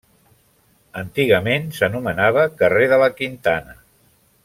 Antigament s'anomenava carrer de la Quintana.